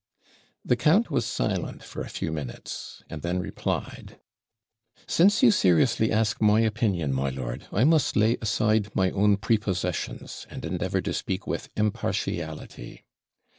The count was silent for a few minutes, and then replied: 'Since you seriously ask my opinion, my lord, I must lay aside my own prepossessions, and endeavour to speak with impartiality.